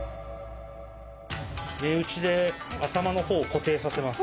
目打ちで頭の方を固定させます。